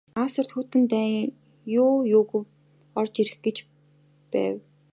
Австрид Хүйтэн дайн юу юугүй орж ирэх гэж байв.